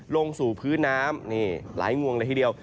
ลงสู่พื้นน้ำนี่หลายงวงเลยทีเดียว